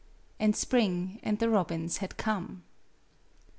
And spring and the robins had come.